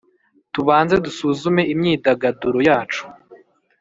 tubanze dusuzume imyidagaduro yacu